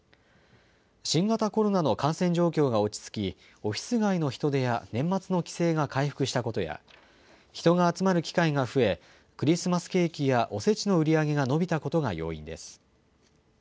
新型コロナの感染状況が落ち着き、オフィス街の人出や年末の帰省が回復したことや、人が集まる機会が増え、クリスマスケーキやおせちの売り上げが伸びたことが要因です。